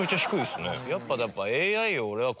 やっぱ。